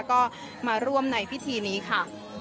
ก็มาร่วมในพิธีนี้ค่ะ